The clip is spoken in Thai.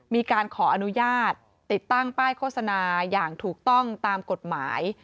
มีการขออนุญาตติดตั้งป้ายโฆษณาอย่างถูกต้องตามกฎหมาย